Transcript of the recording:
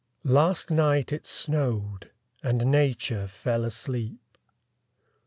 Last night it snowed; and Nature fell asleep.